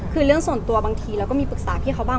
คือเรื่องส่วนตัวบางทีเราก็มีปรึกษาพี่เขาบ้าง